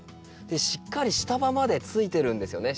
しっかり下葉までついてるんですよね